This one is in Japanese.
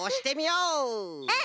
うん！